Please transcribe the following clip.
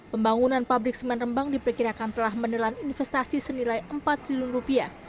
pembangunan pabrik semen rembang diperkirakan telah menelan investasi senilai empat triliun rupiah